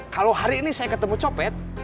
kalau hari ini saya ketemu copet